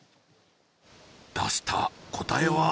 出した答えは？